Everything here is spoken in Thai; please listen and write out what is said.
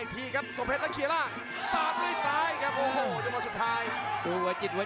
ประเภทมัยยังอย่างปักส่วนขวา